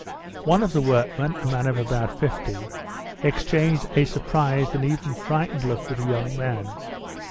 One of the workmen, a man of about 50, exchanged a surprised and even frightened look with a young man.